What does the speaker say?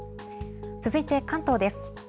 続いて関東です。